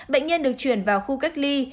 bệnh nhân được chuyển vào khu cách ly